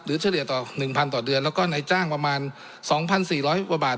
เฉลี่ยต่อ๑๐๐ต่อเดือนแล้วก็ในจ้างประมาณ๒๔๐๐กว่าบาท